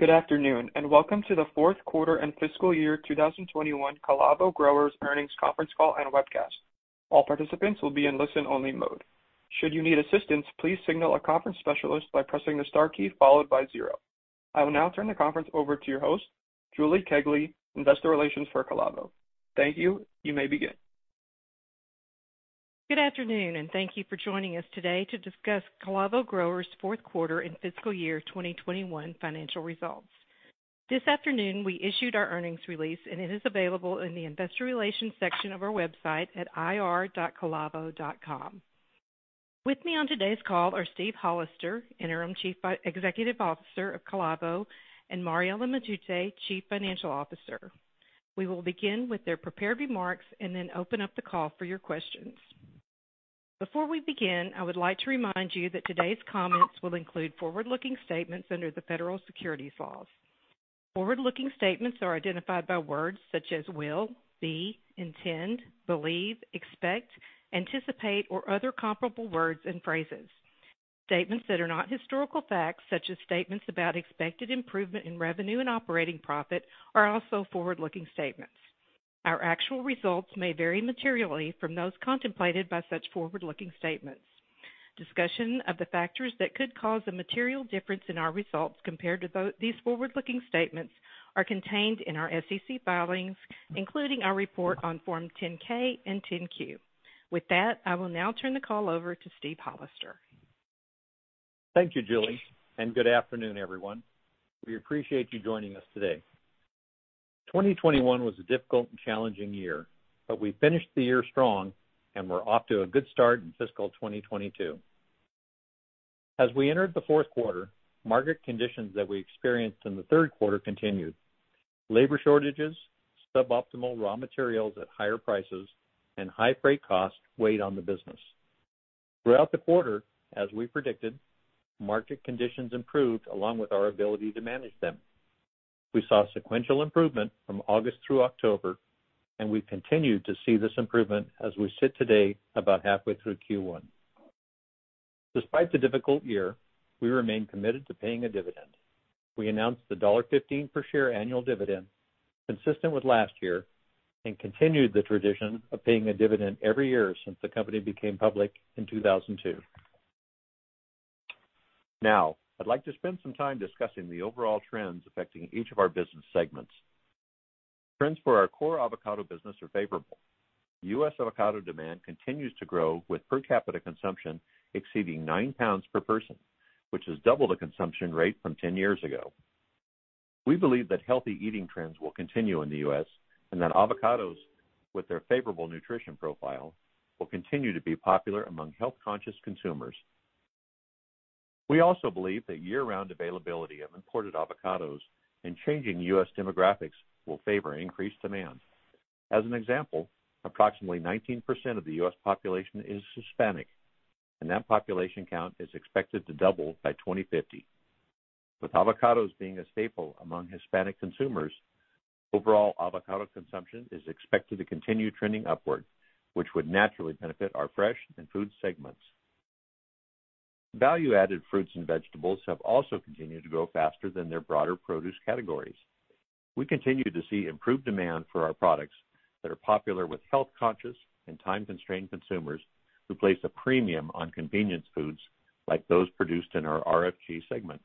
Good afternoon, and welcome to the fourth quarter and fiscal year 2021 Calavo Growers earnings conference call and webcast. All participants will be in listen-only mode. Should you need assistance, please signal a conference specialist by pressing the star key followed by zero. I will now turn the conference over to your host, Julie Kegley, Investor Relations for Calavo. Thank you. You may begin. Good afternoon, and thank you for joining us today to discuss Calavo Growers' fourth quarter and fiscal year 2021 financial results. This afternoon, we issued our earnings release, and it is available in the investor relations section of our website at ir.calavo.com. With me on today's call are Steve Hollister, Interim Chief Executive Officer of Calavo, and Mariela Matute, Chief Financial Officer. We will begin with their prepared remarks and then open up the call for your questions. Before we begin, I would like to remind you that today's comments will include forward-looking statements under the Federal Securities laws. Forward-looking statements are identified by words such as will, be, intend, believe, expect, anticipate, or other comparable words and phrases. Statements that are not historical facts, such as statements about expected improvement in revenue and operating profit, are also forward-looking statements. Our actual results may vary materially from those contemplated by such forward-looking statements. Discussion of the factors that could cause a material difference in our results compared to these forward-looking statements are contained in our SEC filings, including our report on Form 10-K and Form 10-Q. With that, I will now turn the call over to Steve Hollister. Thank you, Julie, and good afternoon, everyone. We appreciate you joining us today. 2021 was a difficult and challenging year, but we finished the year strong and we're off to a good start in fiscal 2022. As we entered the fourth quarter, market conditions that we experienced in the third quarter continued. Labor shortages, suboptimal raw materials at higher prices, and high freight costs weighed on the business. Throughout the quarter, as we predicted, market conditions improved along with our ability to manage them. We saw sequential improvement from August through October, and we continued to see this improvement as we sit today about halfway through Q1. Despite the difficult year, we remain committed to paying a dividend. We announced the $1.15 per share annual dividend consistent with last year and continued the tradition of paying a dividend every year since the company became public in 2002. Now, I'd like to spend some time discussing the overall trends affecting each of our business segments. Trends for our core avocado business are favorable. U.S. avocado demand continues to grow with per capita consumption exceeding 9 lbs per person, which is double the consumption rate from 10 years ago. We believe that healthy eating trends will continue in the U.S. and that avocados with their favorable nutrition profile will continue to be popular among health-conscious consumers. We also believe that year-round availability of imported avocados and changing U.S. demographics will favor increased demand. As an example, approximately 19% of the U.S. population is Hispanic, and that population count is expected to double by 2050. With avocados being a staple among Hispanic consumers, overall avocado consumption is expected to continue trending upward, which would naturally benefit our Fresh and Food segments. Value-added fruits and vegetables have also continued to grow faster than their broader produce categories. We continue to see improved demand for our products that are popular with health-conscious and time-constrained consumers who place a premium on convenience foods like those produced in our RFG segment.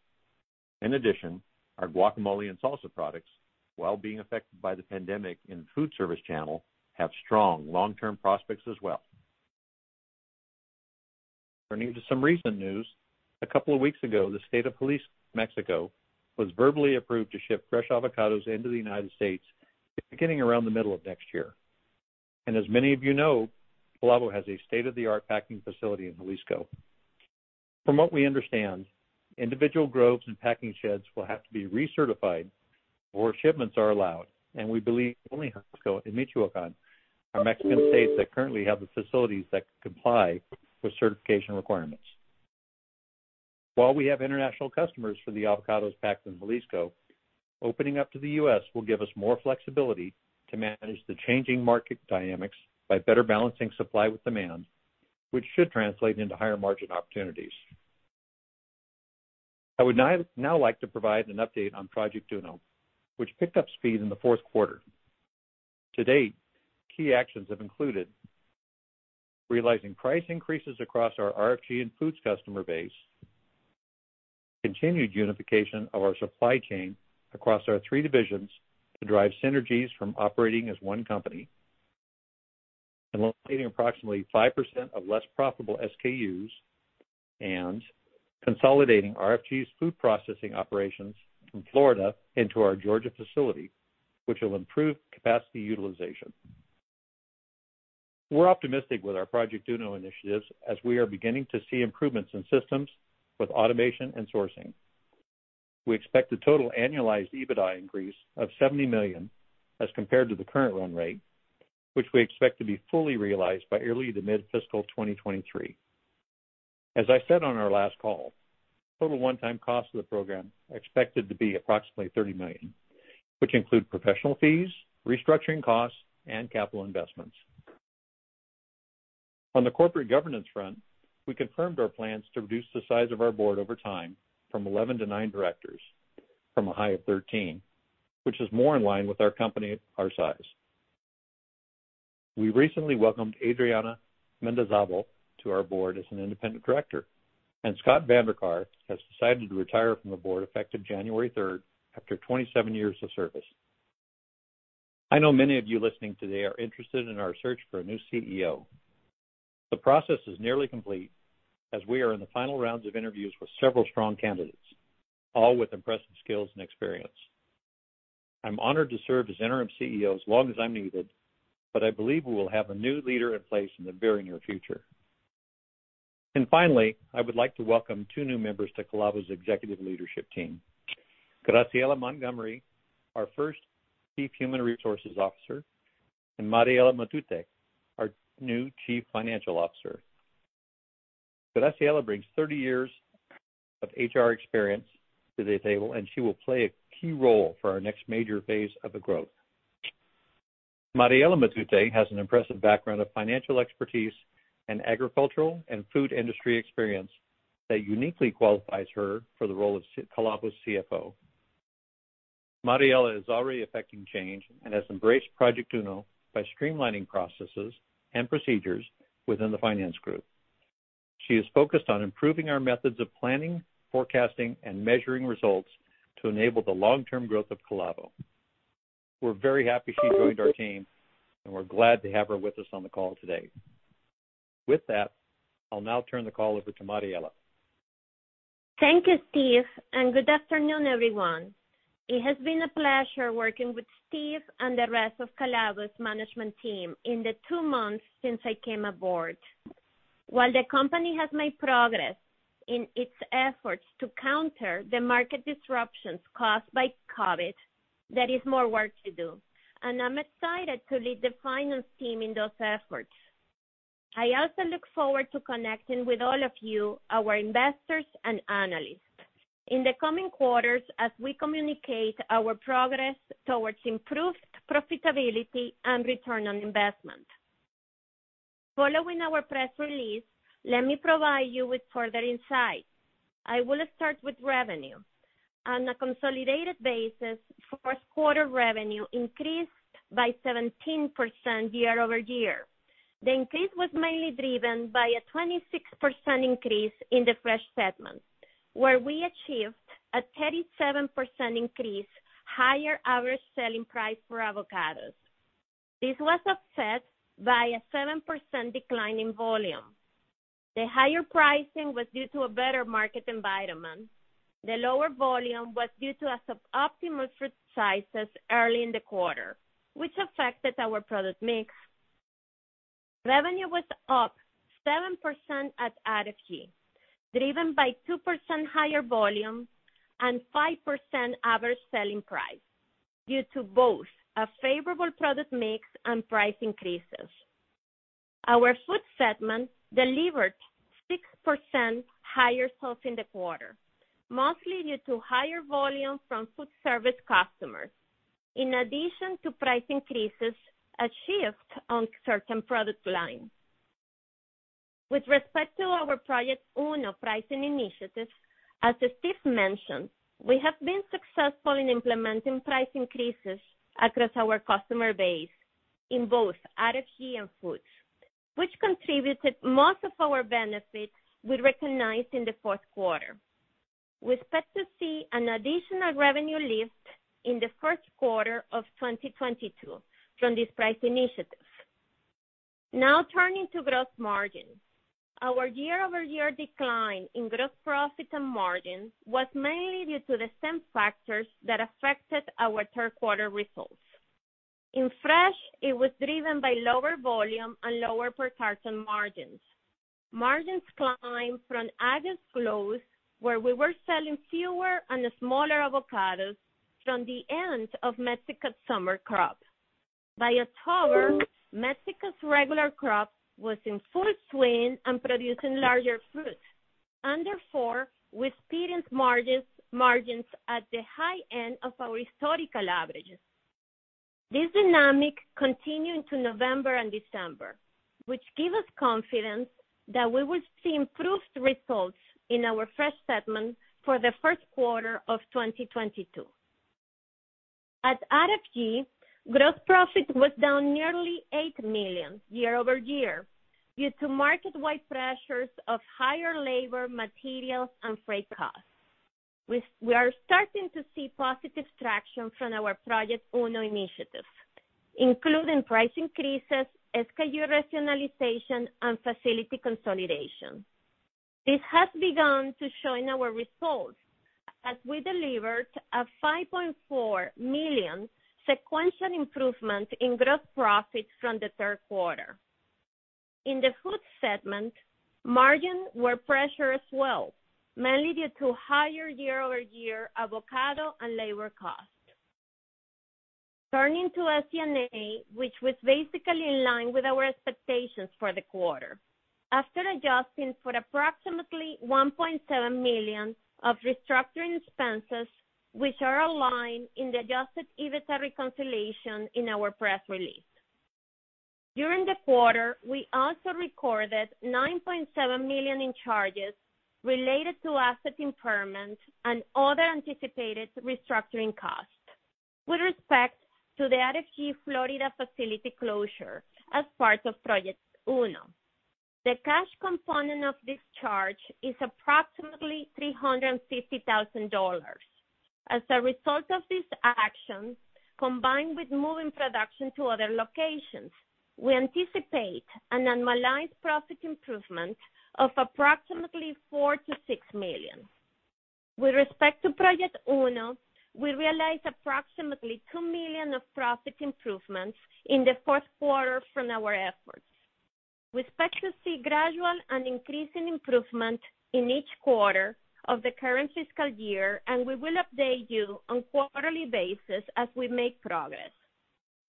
In addition, our guacamole and salsa products, while being affected by the pandemic in the food-service channel, have strong long-term prospects as well. Turning to some recent news. A couple of weeks ago, the state of Jalisco, Mexico, was verbally approved to ship fresh avocados into the United States beginning around the middle of next year. As many of you know, Calavo has a state-of-the-art packing facility in Jalisco. From what we understand, individual groves and packing sheds will have to be recertified before shipments are allowed, and we believe only Jalisco and Michoacán are Mexican states that currently have the facilities that comply with certification requirements. While we have international customers for the avocados packed in Jalisco, opening up to the U.S. will give us more flexibility to manage the changing market dynamics by better balancing supply with demand, which should translate into higher margin opportunities. I would now like to provide an update on Project Uno, which picked up speed in the fourth quarter. To date, key actions have included realizing price increases across our RFG and Foods customer base, continued unification of our supply chain across our three divisions to drive synergies from operating as one company, eliminating approximately 5% of less profitable SKUs, and consolidating RFG's food processing operations from Florida into our Georgia facility, which will improve capacity utilization. We're optimistic with our Project Uno initiatives as we are beginning to see improvements in systems with automation and sourcing. We expect a total annualized EBITDA increase of $70 million as compared to the current run rate, which we expect to be fully realized by early to mid-fiscal 2023. As I said on our last call, total one-time cost of the program are expected to be approximately $30 million, which include professional fees, restructuring costs, and capital investments. On the corporate governance front, we confirmed our plans to reduce the size of our Board over time from 11 to nine directors from a high of 13, which is more in line with our company, our size. We recently welcomed Adriana Mendizabal to our Board as an independent director, and Scott Van Der Kar has decided to retire from the Board effective January 3rd after 27 years of service. I know many of you listening today are interested in our search for a new CEO. The process is nearly complete as we are in the final rounds of interviews with several strong candidates, all with impressive skills and experience. I'm honored to serve as interim CEO as long as I'm needed, but I believe we will have a new leader in place in the very near future. Finally, I would like to welcome two new members to Calavo's executive leadership team. Graciela Montgomery, our first Chief Human Resources Officer, and Mariela Matute, our new Chief Financial Officer. Graciela brings 30 years of HR experience to the table, and she will play a key role for our next major phase of the growth. Mariela Matute has an impressive background of financial expertise and agricultural and food industry experience that uniquely qualifies her for the role of Calavo's CFO. Mariela is already effecting change and has embraced Project Uno by streamlining processes and procedures within the finance group. She is focused on improving our methods of planning, forecasting, and measuring results to enable the long-term growth of Calavo. We're very happy she joined our team, and we're glad to have her with us on the call today. With that, I'll now turn the call over to Mariela. Thank you, Steve, and good afternoon, everyone. It has been a pleasure working with Steve and the rest of Calavo's management team in the two months since I came aboard. While the company has made progress in its efforts to counter the market disruptions caused by COVID, there is more work to do, and I'm excited to lead the finance team in those efforts. I also look forward to connecting with all of you, our investors and analysts in the coming quarters as we communicate our progress towards improved profitability and return on investment. Following our press release, let me provide you with further insight. I will start with revenue. On a consolidated basis, first-quarter revenue increased by 17% year-over-year. The increase was mainly driven by a 26% increase in the Fresh segment, where we achieved a 37% higher average selling price for avocados. This was offset by a 7% decline in volume. The higher pricing was due to a better market environment. The lower volume was due to sub-optimal fruit sizes early in the quarter, which affected our product mix. Revenue was up 7% at RFG, driven by 2% higher volume and 5% average selling price due to both a favorable product mix and price increases. Our Food segment delivered 6% higher sales in the quarter, mostly due to higher volume from food-service customers, in addition to price increases, a shift in certain product lines. With respect to our Project Uno pricing initiative, as Steve mentioned, we have been successful in implementing price increases across our customer base in both RFG and food, which contributed most of our benefits we recognized in the fourth quarter. We expect to see an additional revenue lift in the first quarter of 2022 from this price initiative. Now turning to gross margin. Our year-over-year decline in gross profit and margin was mainly due to the same factors that affected our third quarter results. In fresh, it was driven by lower volume and lower per carton margins. Margins climbed from August close, where we were selling fewer and the smaller avocados from the end of Mexico's summer crop. By October, Mexico's regular crop was in full swing and producing larger fruits. Therefore, we experienced margins at the high end of our historical averages. This dynamic continued into November and December, which give us confidence that we will see improved results in our Fresh segment for the first quarter of 2022. At RFG, gross profit was down nearly $8 million year-over-year due to market-wide pressures of higher labor, materials, and freight costs. We are starting to see positive traction from our Project Uno initiatives, including price increases, SKU rationalization, and facility consolidation. This has begun to show in our results as we delivered a $5.4 million sequential improvement in gross profits from the third quarter. In the Foods segment, margins were pressured as well, mainly due to higher year-over-year avocado and labor costs. Turning to SG&A, which was basically in line with our expectations for the quarter. After adjusting for approximately $1.7 million of restructuring expenses, which are aligned in the adjusted EBITDA reconciliation in our press release. During the quarter, we also recorded $9.7 million in charges related to asset impairment and other anticipated restructuring costs. With respect to the RFG Florida facility closure as part of Project Uno, the cash component of this charge is approximately $350,000. As a result of this action, combined with moving production to other locations, we anticipate an annualized profit improvement of approximately $4 million-$6 million. With respect to Project Uno, we realized approximately $2 million of profit improvements in the fourth quarter from our efforts. We expect to see gradual and increasing improvement in each quarter of the current fiscal year, and we will update you on a quarterly basis as we make progress.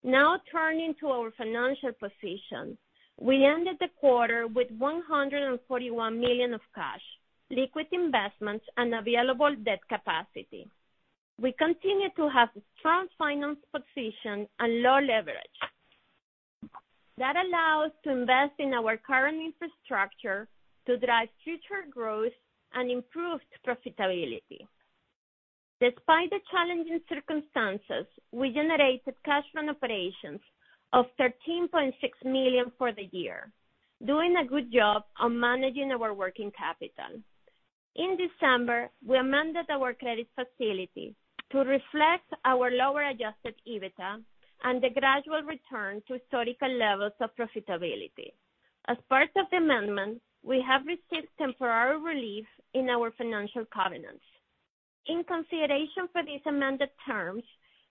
Now turning to our financial position. We ended the quarter with $141 million of cash, liquid investments and available debt capacity. We continue to have a strong financial position and low leverage. That allows us to invest in our current infrastructure to drive future growth and improved profitability. Despite the challenging circumstances, we generated cash from operations of $13.6 million for the year, doing a good job on managing our working capital. In December, we amended our credit facility to reflect our lower adjusted EBITDA and the gradual return to historical levels of profitability. As part of the amendment, we have received temporary relief in our financial covenants. In consideration for these amended terms,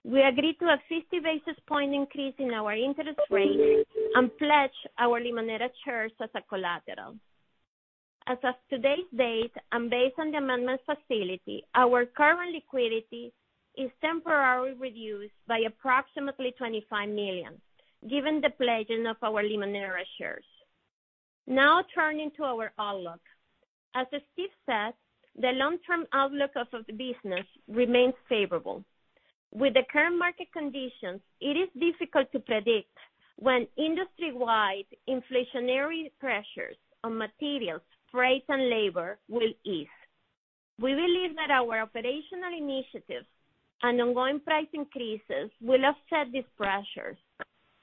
we agreed to a 50 basis point increase in our interest rate and pledge our Limoneira shares as collateral. As of today's date, and based on the amendment facility, our current liquidity is temporarily reduced by approximately $25 million, given the pledging of our Limoneira shares. Now turning to our outlook. As Steve said, the long-term outlook of the business remains favorable. With the current market conditions, it is difficult to predict when industry-wide inflationary pressures on materials, freight, and labor will ease. We believe that our operational initiatives and ongoing price increases will offset these pressures.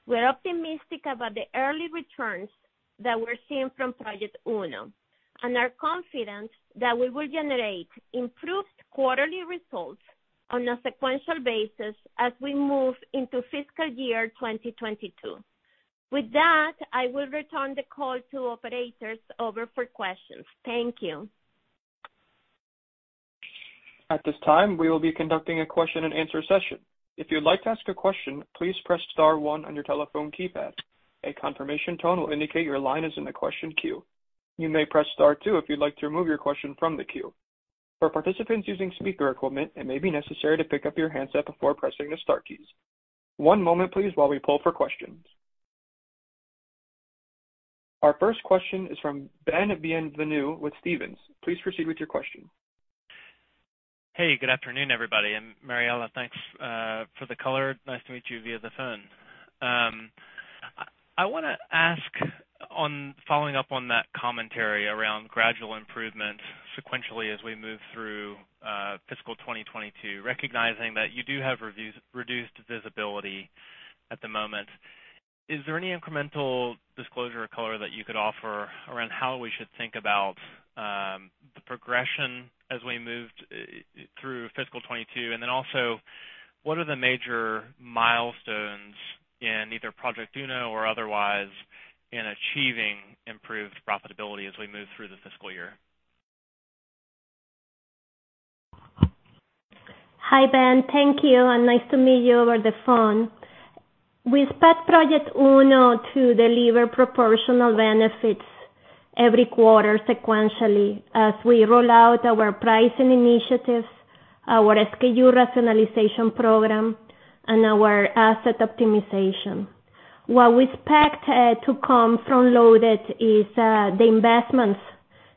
We're optimistic about the early returns that we're seeing from Project Uno and are confident that we will generate improved quarterly results on a sequential basis as we move into fiscal year 2022. With that, I will return the call to operators over for questions. Thank you. At this time, we will be conducting a question-and-answer session. If you'd like to ask a question, please press star one on your telephone keypad. A confirmation tone will indicate your line is in the question queue. You may press star two if you'd like to remove your question from the queue. For participants using speaker equipment, it may be necessary to pick up your handset before pressing the star keys. One moment, please, while we poll for questions. Our first question is from Ben Bienvenu with Stephens. Please proceed with your question. Hey, good afternoon, everybody. Mariela, thanks for the color. Nice to meet you via the phone. I wanna ask on following up on that commentary around gradual improvement sequentially as we move through fiscal 2022, recognizing that you do have reduced visibility at the moment, is there any incremental disclosure or color that you could offer around how we should think about the progression as we move through fiscal 2022? Also, what are the major milestones in either Project Uno or otherwise in achieving improved profitability as we move through the fiscal year? Hi, Ben. Thank you, and nice to meet you over the phone. We expect Project Uno to deliver proportional benefits every quarter sequentially as we roll out our pricing initiatives, our SKU rationalization program, and our asset optimization. What we expect to come front-loaded is the investments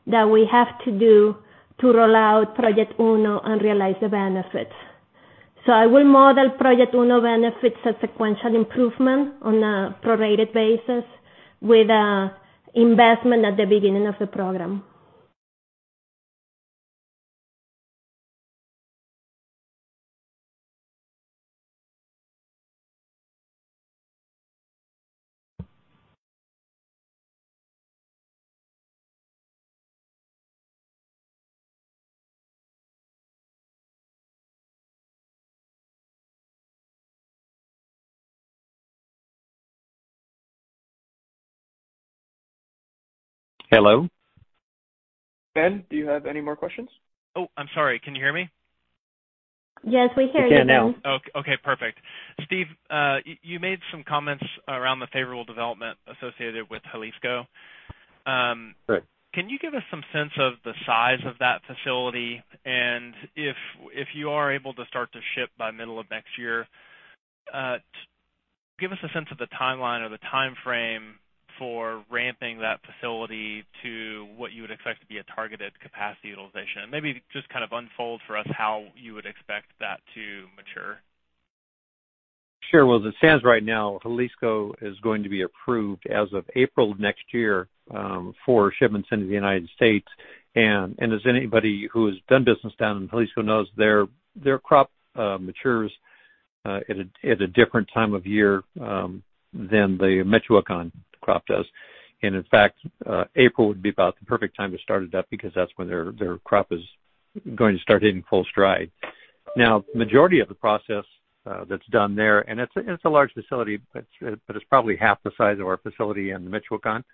that we have to do to roll out Project Uno and realize the benefits. I will model Project Uno benefits as sequential improvement on a prorated basis with investment at the beginning of the program. Hello? Ben, do you have any more questions? Oh, I'm sorry. Can you hear me? Yes, we hear you now. Oh, okay, perfect. Steve, you made some comments around the favorable development associated with Jalisco. Right. Can you give us some sense of the size of that facility? If you are able to start to ship by middle of next year, give us a sense of the timeline or the timeframe for ramping that facility to what you would expect to be a targeted capacity utilization. Maybe just kind of unfold for us how you would expect that to mature. Sure. Well, as it stands right now, Jalisco is going to be approved as of April next year, for shipments into the United States. As anybody who has done business down in Jalisco knows, their crop matures at a different time of year than the Michoacán crop does. In fact, April would be about the perfect time to start it up because that's when their crop is going to start hitting full stride. Now, majority of the process that's done there, and it's a large facility, but it's probably half the size of our facility in Michoacán,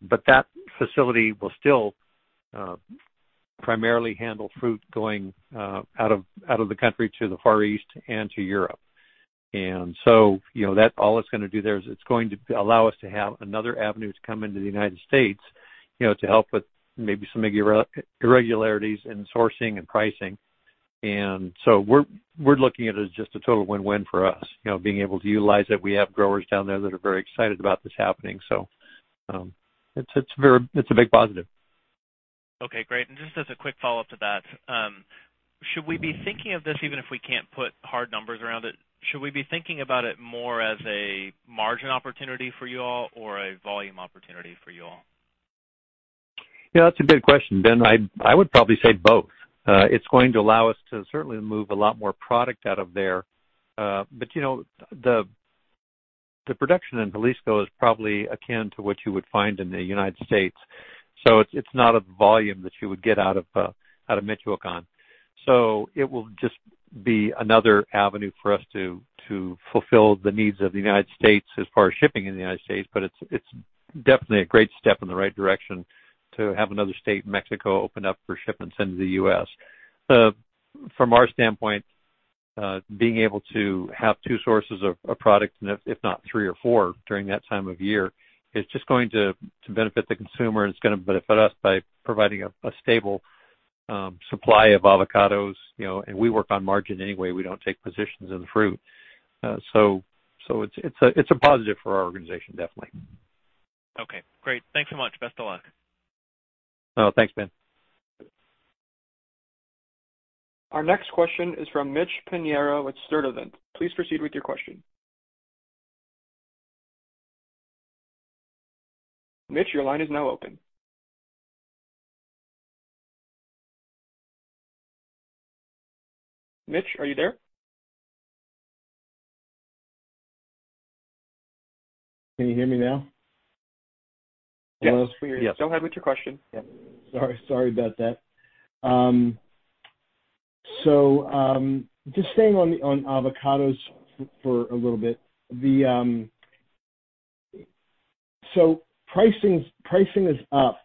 but that facility will still primarily handle fruit going out of the country to the Far East and to Europe. You know, that all it's gonna do there is it's going to allow us to have another avenue to come into the United States, you know, to help with maybe some irregularities in sourcing and pricing. We're looking at it as just a total win-win for us, you know, being able to utilize it. We have growers down there that are very excited about this happening. It's very. It's a big positive. Okay, great. Just as a quick follow-up to that, should we be thinking of this even if we can't put hard numbers around it? Should we be thinking about it more as a margin opportunity for you all or a volume opportunity for you all? Yeah, that's a good question, Ben. I would probably say both. It's going to allow us to certainly move a lot more product out of there. But you know, the production in Jalisco is probably akin to what you would find in the United States, so it's not a volume that you would get out of Michoacán. It will just be another avenue for us to fulfill the needs of the United States as far as shipping in the United States, but it's definitely a great step in the right direction to have another state in Mexico open up for shipments into the U.S. From our standpoint, being able to have two sources of product, and if not three or four during that time of year, is just going to benefit the consumer, and it's gonna benefit us by providing a stable supply of avocados. You know, we work on margin anyway. We don't take positions in the fruit. It's a positive for our organization, definitely. Okay, great. Thanks so much. Best of luck. Oh, thanks, Ben. Our next question is from Mitch Pinheiro with Sturdivant & Co. Please proceed with your question. Mitch, your line is now open. Mitch, are you there? Can you hear me now? Yes. Yes. Go ahead with your question. Yep. Sorry about that. Just staying on avocados for a little bit. Pricing is up,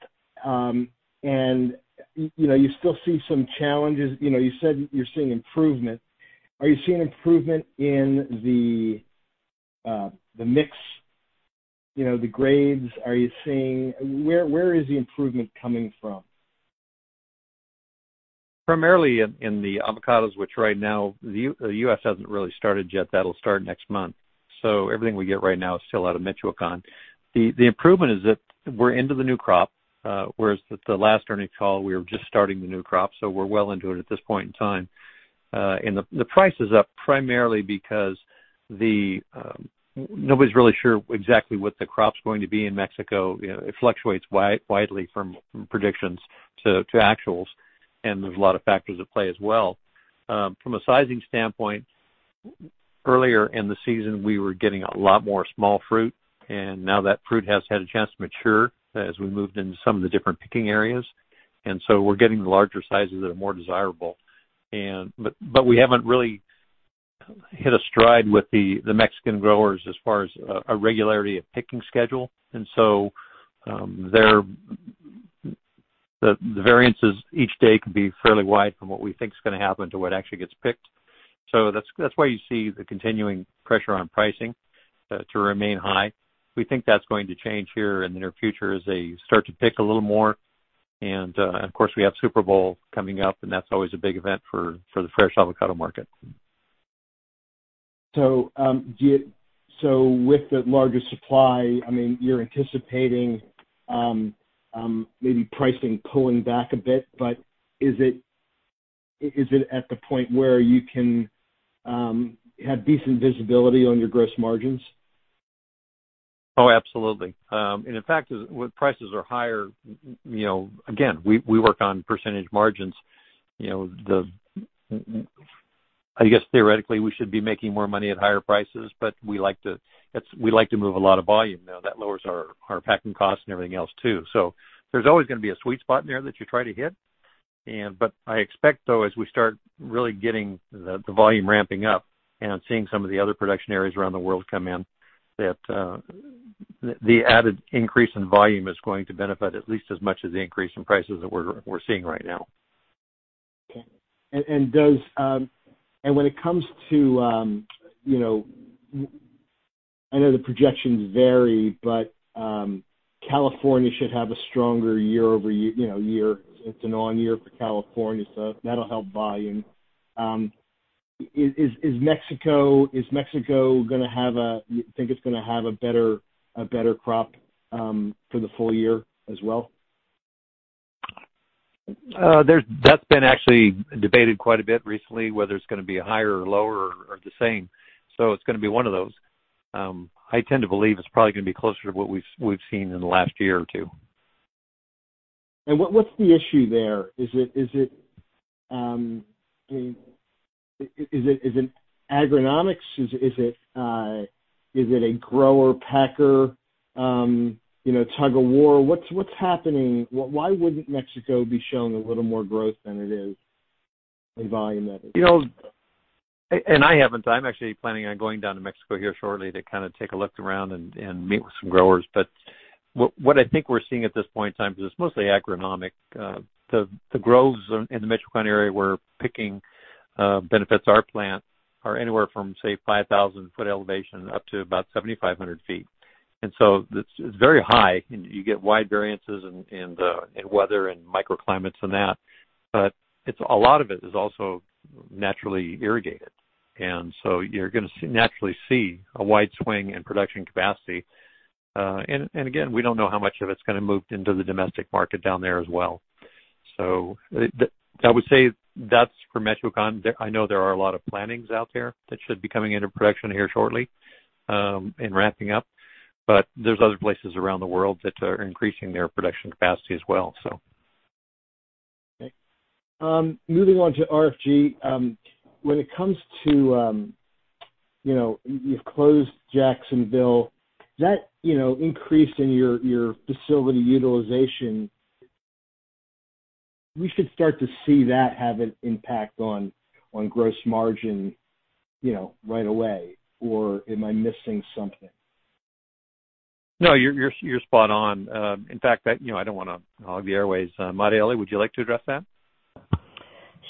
and you know, you still see some challenges. You know, you said you're seeing improvement. Are you seeing improvement in the mix, you know, the grades? Where is the improvement coming from? Primarily in the avocados, which right now the U.S. hasn't really started yet. That'll start next month. Everything we get right now is still out of Michoacán. The improvement is that we're into the new crop, whereas with the last earnings call, we were just starting the new crop, so we're well into it at this point in time. The price is up primarily because nobody's really sure exactly what the crop's going to be in Mexico. You know, it fluctuates widely from predictions to actuals, and there's a lot of factors at play as well. From a sizing standpoint, earlier in the season, we were getting a lot more small fruit, and now that fruit has had a chance to mature as we moved into some of the different picking areas. We're getting the larger sizes that are more desirable. But we haven't really hit a stride with the Mexican growers as far as a regularity of picking schedule. Their variances each day can be fairly wide from what we think is gonna happen to what actually gets picked. That's why you see the continuing pressure on pricing to remain high. We think that's going to change here in the near future as they start to pick a little more. Of course, we have Super Bowl coming up, and that's always a big event for the fresh avocado market. With the larger supply, I mean, you're anticipating maybe pricing pulling back a bit, but is it at the point where you can have decent visibility on your gross margins? Oh, absolutely. In fact, when prices are higher, you know, again, we work on percentage margins. You know, I guess, theoretically, we should be making more money at higher prices, but we like to move a lot of volume. Now, that lowers our packing costs and everything else too. There's always gonna be a sweet spot in there that you try to hit, but I expect though as we start really getting the volume ramping up and seeing some of the other production areas around the world come in, that the added increase in volume is going to benefit at least as much as the increase in prices that we're seeing right now. Okay. When it comes to, you know, I know the projections vary, but California should have a stronger year over, you know, year. It's an on year for California, so that'll help volume. You think it's gonna have a better crop for the full year as well? That's been actually debated quite a bit recently, whether it's gonna be higher or lower or the same. It's gonna be one of those. I tend to believe it's probably gonna be closer to what we've seen in the last year or two. What's the issue there? Is it, I mean, is it agronomics? Is it a grower-packer, you know, tug-of-war? What's happening? Why wouldn't Mexico be showing a little more growth than it is in volume, that is? You know, I haven't. I'm actually planning on going down to Mexico here shortly to kinda take a look around and meet with some growers. What I think we're seeing at this point in time is it's mostly agronomic. The groves in the Michoacán area where we're picking are anywhere from, say, 5,000-ft elevation up to about 7,500 ft. It's very high, and you get wide variances in weather and microclimates and that. A lot of it is also naturally irrigated. You're gonna naturally see a wide swing in production capacity. Again, we don't know how much of it's gonna move into the domestic market down there as well. I would say that's for Michoacán. I know there are a lot of plantings out there that should be coming into production here shortly, and ramping up, but there's other places around the world that are increasing their production capacity as well, so. Okay. Moving on to RFG. When it comes to, you know, you've closed Jacksonville, that, you know, increase in your facility utilization, we should start to see that have an impact on gross margin, you know, right away, or am I missing something? No, you're spot on. In fact, you know, I don't wanna hog the airwaves. Mariela, would you like to address that?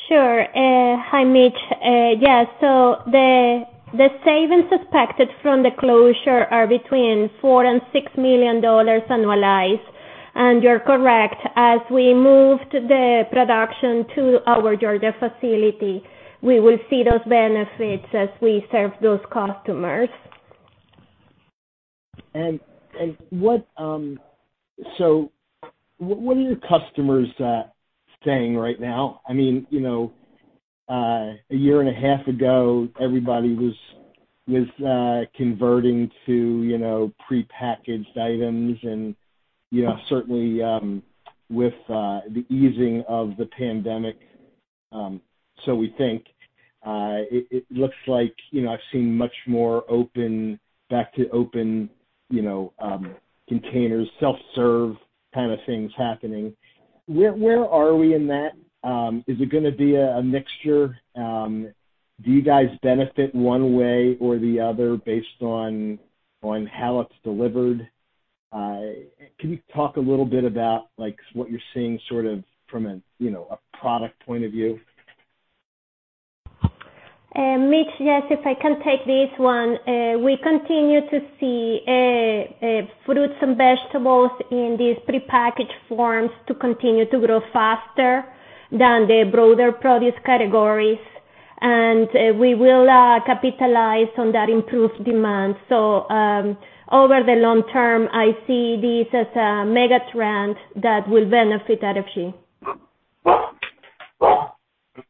Hi, Mitch. The savings expected from the closure are between $4 million and $6 million annualized. You're correct, as we move the production to our Georgia facility, we will see those benefits as we serve those customers. What are your customers saying right now? I mean, you know, a year and a half ago, everybody was converting to, you know, prepackaged items and, you know, certainly, with the easing of the pandemic, so we think. It looks like, you know, I've seen much more back to open, you know, containers, self-serve kind of things happening. Where are we in that? Is it gonna be a mixture? Do you guys benefit one way or the other based on how it's delivered? Can you talk a little bit about, like, what you're seeing sort of from a, you know, a product point of view? Mitch, yes, if I can take this one. We continue to see fruits and vegetables in these prepackaged forms to continue to grow faster than the broader produce categories. We will capitalize on that improved demand. Over the long term, I see this as a mega trend that will benefit RFG.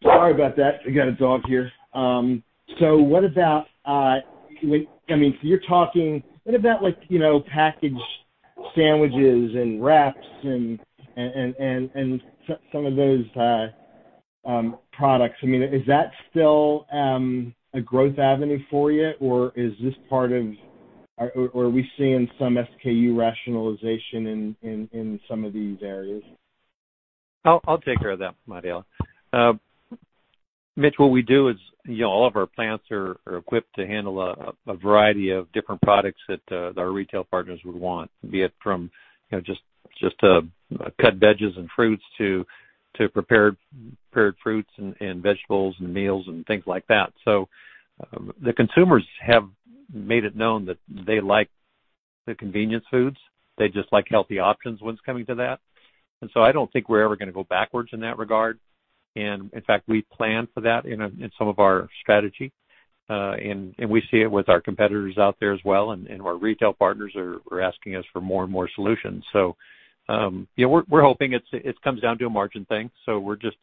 Sorry about that. I got a dog here. What about, I mean, you're talking, what about, like, you know, packaged sandwiches and wraps and some of those products? I mean, is that still a growth avenue for you, or is this part of or are we seeing some SKU rationalization in some of these areas? I'll take care of that, Mariela. Mitch, what we do is, you know, all of our plants are equipped to handle a variety of different products that our retail partners would want, be it from, you know, just to cut veggies and fruits to prepared fruits and vegetables and meals and things like that. The consumers have made it known that they like the convenience foods. They just like healthy options when it's coming to that. I don't think we're ever gonna go backwards in that regard. In fact, we plan for that in some of our strategy. We see it with our competitors out there as well, and our retail partners are asking us for more and more solutions. You know, we're hoping it comes down to a margin thing, so we're just,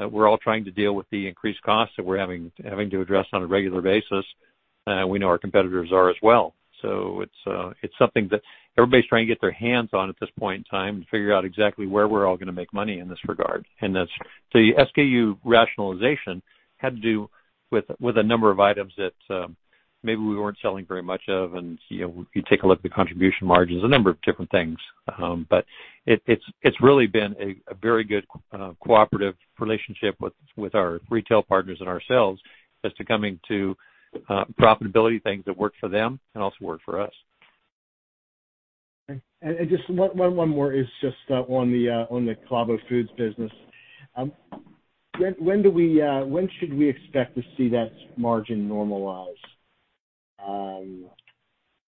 we're all trying to deal with the increased costs that we're having to address on a regular basis. We know our competitors are as well. It's something that everybody's trying to get their hands on at this point in time to figure out exactly where we're all gonna make money in this regard. The SKU rationalization had to do with a number of items that maybe we weren't selling very much of. You know, you take a look at the contribution margins, a number of different things. It's really been a very good cooperative relationship with our retail partners and ourselves as to coming to profitability things that work for them and also work for us. Okay. Just one more is just on the Club Foods business. When should we expect to see that margin normalize?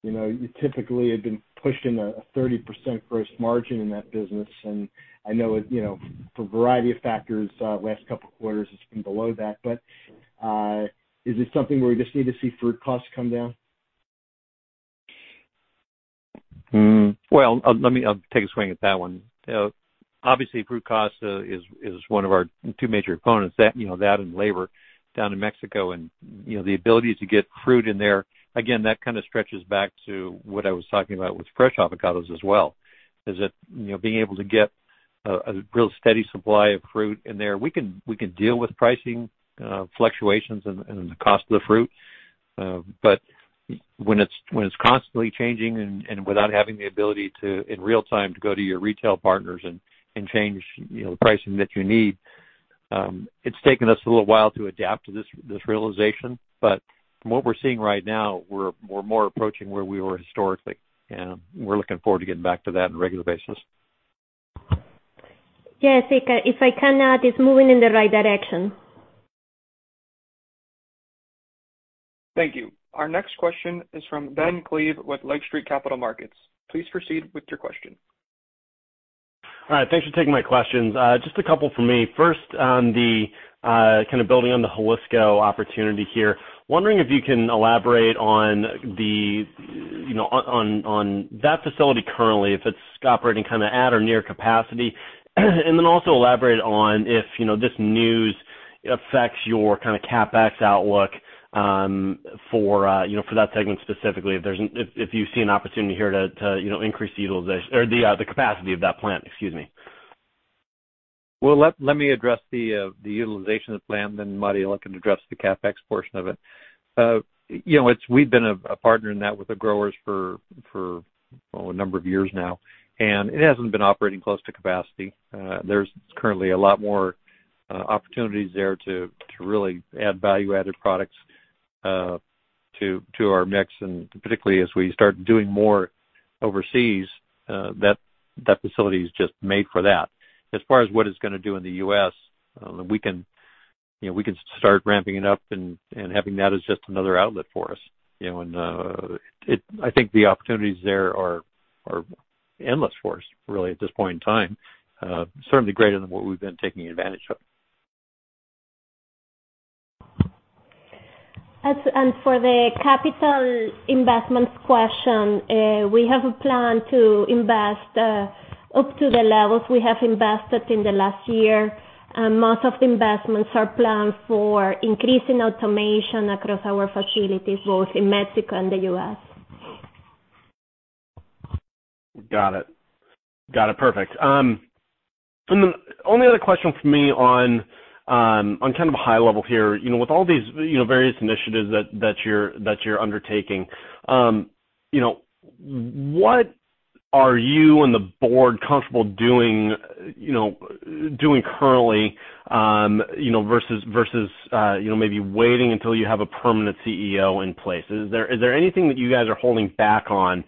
You know, you typically have been pushing a 30% gross margin in that business, and I know it, you know, for a variety of factors, last couple of quarters it's been below that. Is this something where we just need to see fruit costs come down? Well, I'll take a swing at that one. Obviously, fruit cost is one of our two major components that, you know, that and labor down in Mexico and, you know, the ability to get fruit in there. Again, that kind of stretches back to what I was talking about with fresh avocados as well, is that, you know, being able to get a real steady supply of fruit in there. We can deal with pricing fluctuations and the cost of the fruit. When it's constantly changing and without having the ability to, in real time, to go to your retail partners and change, you know, the pricing that you need, it's taken us a little while to adapt to this realization. From what we're seeing right now, we're more approaching where we were historically, and we're looking forward to getting back to that on a regular basis. Yes, if I can add, it's moving in the right direction. Thank you. Our next question is from Ben Klieve with Lake Street Capital Markets. Please proceed with your question. All right. Thanks for taking my questions. Just a couple from me. First, on the kind of building on the Jalisco opportunity here, wondering if you can elaborate on the, you know, on that facility currently, if it's operating kind of at or near capacity. Also elaborate on if, you know, this news affects your kind of CapEx outlook for, you know, for that segment specifically, if you see an opportunity here to, you know, increase the utilization or the capacity of that plant. Excuse me. Well, let me address the utilization of the plant, and then Mariela can address the CapEx portion of it. You know, we've been a partner in that with the growers for well a number of years now, and it hasn't been operating close to capacity. There's currently a lot more opportunities there to really add value-added products to our mix, and particularly as we start doing more overseas, that facility is just made for that. As far as what it's gonna do in the U.S., we can, you know, start ramping it up and having that as just another outlet for us, you know. I think the opportunities there are endless for us really at this point in time. Certainly greater than what we've been taking advantage of. For the capital investments question, we have a plan to invest up to the levels we have invested in the last year. Most of the investments are planned for increasing automation across our facilities, both in Mexico and the U.S. Got it. Perfect. The only other question from me on kind of a high level here, you know, with all these, you know, various initiatives that you're undertaking, you know, what are you and the Board comfortable doing, you know, doing currently, you know, versus, you know, maybe waiting until you have a permanent CEO in place? Is there anything that you guys are holding back on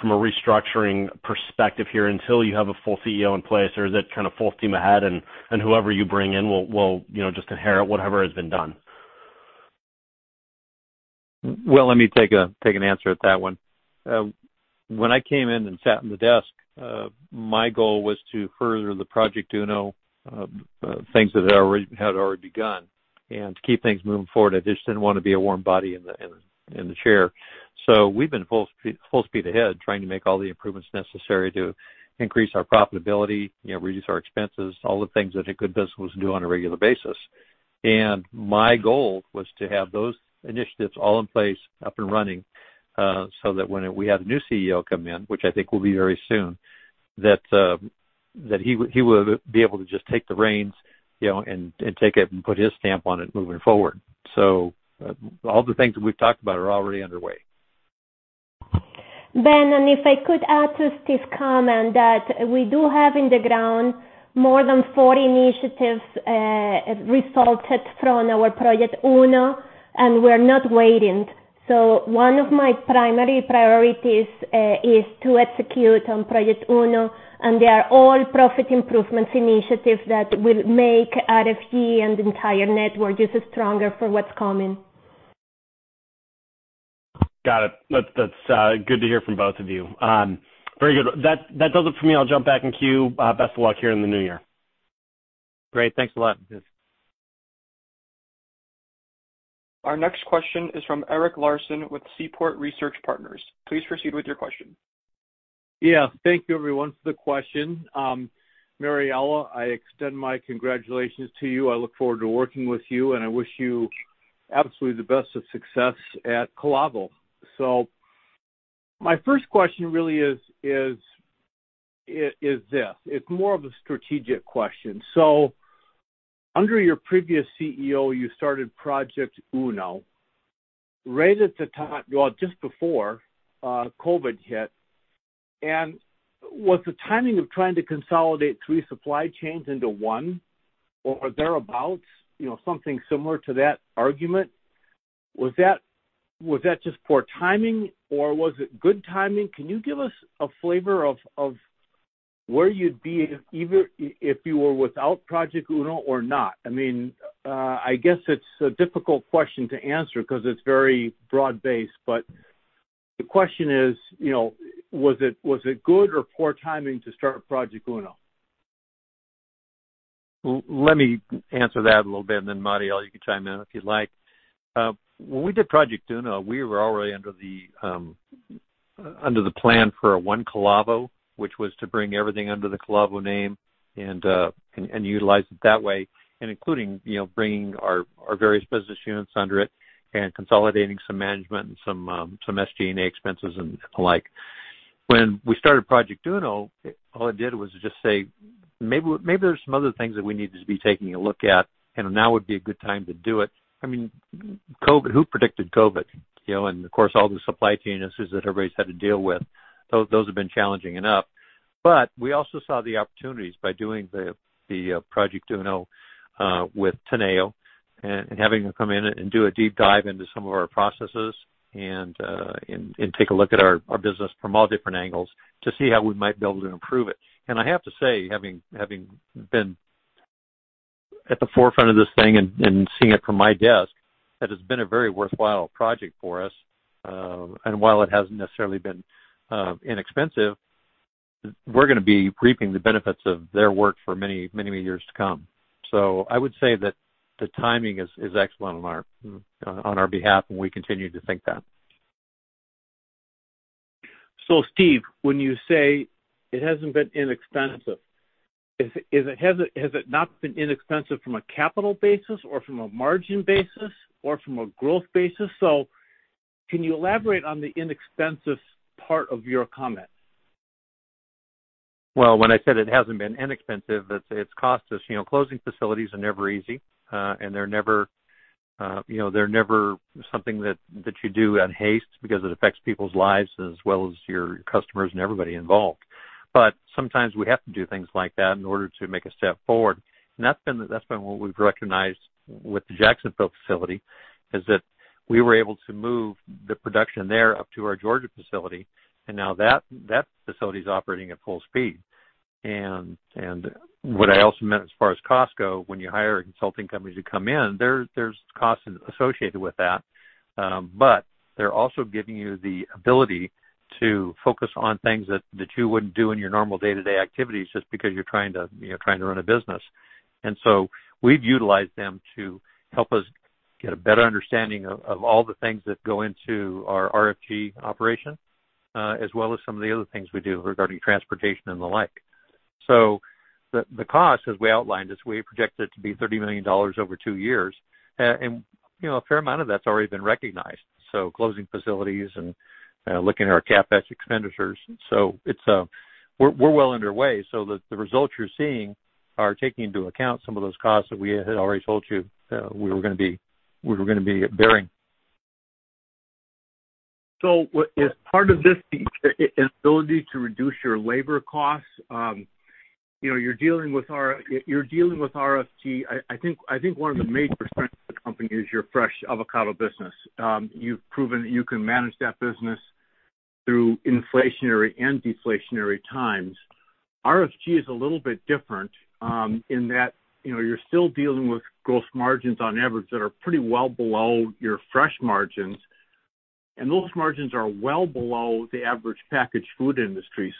from a restructuring perspective here until you have a full CEO in place? Or is it kind of full steam ahead and whoever you bring in will, you know, just inherit whatever has been done? Well, let me take an answer at that one. When I came in and sat in the desk, my goal was to further the Project Uno, things that had already begun and to keep things moving forward. I just didn't wanna be a warm body in the chair. We've been full speed ahead, trying to make all the improvements necessary to increase our profitability, you know, reduce our expenses, all the things that a good business do on a regular basis. My goal was to have those initiatives all in place up and running, so that when we have the new CEO come in, which I think will be very soon, that he will be able to just take the reins, you know, and take it and put his stamp on it moving forward. All the things that we've talked about are already underway. Ben, if I could add to Steve's comment that we do have on the ground more than four initiatives resulting from our Project Uno, and we're not waiting. One of my primary priorities is to execute on Project Uno, and they are all profit improvement initiatives that will make RFG and the entire network just stronger for what's coming. Got it. That's good to hear from both of you. Very good. That does it for me. I'll jump back in queue. Best of luck here in the new year. Great. Thanks a lot. Our next question is from Eric Larson with Seaport Research Partners. Please proceed with your question. Yeah. Thank you everyone for the question. Mariela, I extend my congratulations to you. I look forward to working with you, and I wish you absolutely the best of success at Calavo. My first question really is this, it's more of a strategic question. Under your previous CEO, you started Project Uno right at the time, well, just before COVID hit. Was the timing of trying to consolidate three supply chains into one or thereabout, you know, something similar to that argument? Was that just poor timing or was it good timing? Can you give us a flavor of where you'd be if either if you were without Project Uno or not? I mean, I guess it's a difficult question to answer 'cause it's very broad-based. The question is, you know, was it good or poor timing to start Project Uno? Let me answer that a little bit, and then Mariela, you can chime in if you'd like. When we did Project Uno, we were already under the plan for one Calavo, which was to bring everything under the Calavo name and utilize it that way, including, you know, bringing our various business units under it and consolidating some management and some SG&A expenses and the like. When we started Project Uno, all it did was just say, maybe there's some other things that we need to be taking a look at, and now would be a good time to do it. I mean, COVID, who predicted COVID, you know? Of course, all the supply chain issues that everybody's had to deal with, those have been challenging enough. We also saw the opportunities by doing the Project Uno with Teneo and having them come in and do a deep dive into some of our processes and take a look at our business from all different angles to see how we might be able to improve it. I have to say, having been at the forefront of this thing and seeing it from my desk, that it's been a very worthwhile project for us. While it hasn't necessarily been inexpensive, we're gonna be reaping the benefits of their work for many years to come. I would say that the timing is excellent on our behalf, and we continue to think that. Steve, when you say it hasn't been inexpensive, has it not been inexpensive from a capital basis or from a margin basis or from a growth basis? Can you elaborate on the inexpensive part of your comment? Well, when I said it hasn't been inexpensive, it's cost us. You know, closing facilities are never easy, and they're never, you know, they're never something that you do in haste because it affects people's lives as well as your customers and everybody involved. Sometimes we have to do things like that in order to make a step forward. That's what we've recognized with the Jacksonville facility, is that we were able to move the production there up to our Georgia facility. Now that facility is operating at full speed. What I also meant as far as costs go, when you hire a consulting company to come in, there's costs associated with that. They're also giving you the ability to focus on things that you wouldn't do in your normal day-to-day activities just because you're trying to, you know, run a business. We've utilized them to help us get a better understanding of all the things that go into our RFG operation, as well as some of the other things we do regarding transportation and the like. The cost, as we outlined, is we project it to be $30 million over two years. A fair amount of that's already been recognized, closing facilities and looking at our CapEx expenditures. We're well underway, so the results you're seeing are taking into account some of those costs that we had already told you we were gonna be bearing. Is part of this the ability to reduce your labor costs? You know, you're dealing with RFG. I think one of the major strengths of the company is your fresh avocado business. You've proven that you can manage that business through inflationary and deflationary times. RFG is a little bit different, in that, you know, you're still dealing with gross margins on average that are pretty well below your fresh margins, and those margins are well below the average packaged food industry.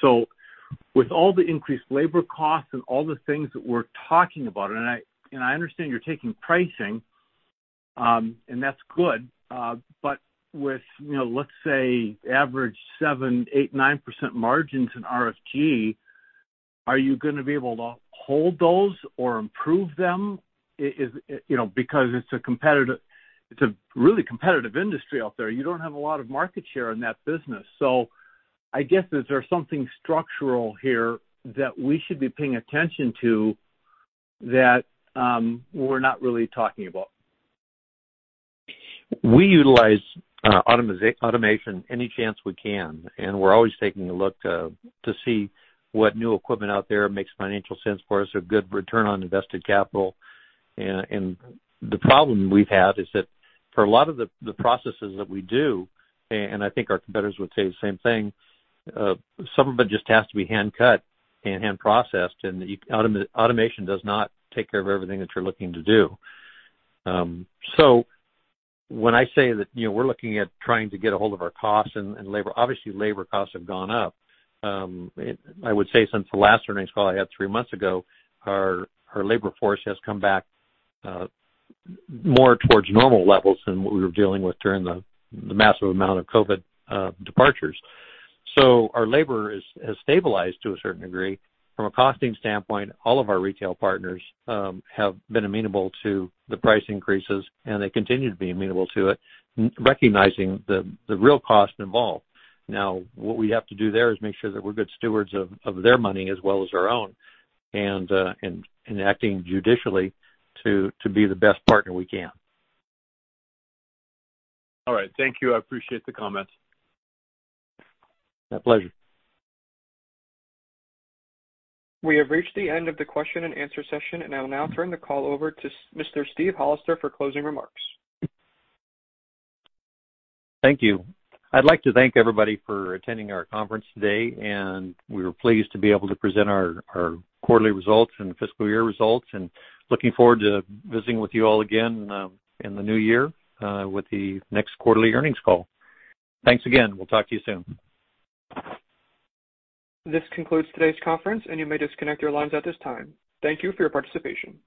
With all the increased labor costs and all the things that we're talking about, and I understand you're taking pricing, and that's good. With, you know, let's say average 7%-9% margins in RFG, are you gonna be able to hold those or improve them? Is you know, because it's a really competitive industry out there. You don't have a lot of market share in that business. I guess, is there something structural here that we should be paying attention to that we're not really talking about? We utilize automation any chance we can, and we're always taking a look to see what new equipment out there makes financial sense for us, a good return on invested capital. The problem we've had is that for a lot of the processes that we do, and I think our competitors would say the same thing, some of it just has to be hand-cut and hand-processed, and automation does not take care of everything that you're looking to do. When I say that, you know, we're looking at trying to get a hold of our costs and labor, obviously labor costs have gone up. I would say since the last earnings call I had three months ago, our labor force has come back more towards normal levels than what we were dealing with during the massive amount of COVID departures. Our labor has stabilized to a certain degree. From a costing standpoint, all of our retail partners have been amenable to the price increases, and they continue to be amenable to it, recognizing the real cost involved. Now, what we have to do there is make sure that we're good stewards of their money as well as our own, and acting judiciously to be the best partner we can. All right. Thank you. I appreciate the comments. My pleasure. We have reached the end of the question and answer session, and I'll now turn the call over to Mr. Steve Hollister for closing remarks. Thank you. I'd like to thank everybody for attending our conference today, and we were pleased to be able to present our quarterly results and fiscal year results, and looking forward to visiting with you all again, in the new year, with the next quarterly earnings call. Thanks again. We'll talk to you soon. This concludes today's conference, and you may disconnect your lines at this time. Thank you for your participation.